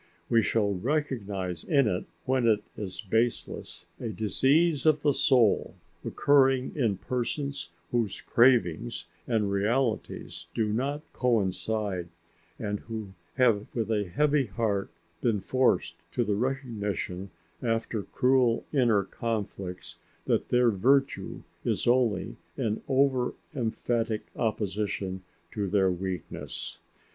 We shall recognise in it, when it is baseless, a disease of the soul occurring in persons whose cravings and realities do not coincide and who have with a heavy heart been forced to the recognition after cruel inner conflicts that their virtue is only an over emphatic opposition to their weakness.